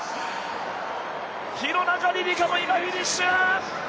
廣中璃梨佳も今フィニッシュ！